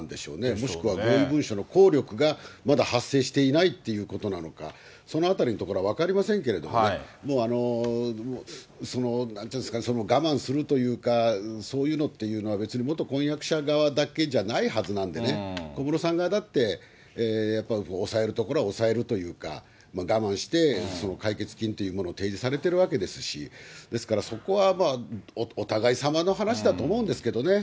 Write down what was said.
もしくは合意文書の効力がまだ発生していないということなのか、そのあたりのところは分かりませんけれどもね、もう、なんて言うんですか、我慢するというか、そういうのっていうのは、別に元婚約者側だけじゃないはずなんでね、小室さん側だってやっぱり抑えるところは抑えるというか、我慢して、解決金というものを提示されているわけですし、ですから、そこはまあ、お互いさまの話だと思うんですけどね。